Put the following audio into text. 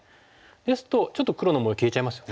ですとちょっと黒の模様消えちゃいますよね。